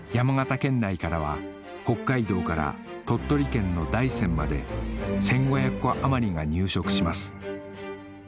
県内からは北海道から鳥取県の大山まで１５００戸余りが入植します